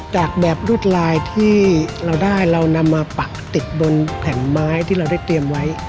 จากแบบรวดลายที่เราได้เรานำมาปักติดบนแผ่นไม้ที่เราได้เตรียมไว้